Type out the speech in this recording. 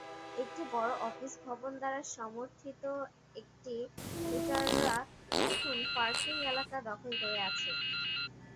একটি বড় অফিস ভবন দ্বারা সমর্থিত একটি হুটাররা এখন পার্কিং এলাকা দখল করে আছে।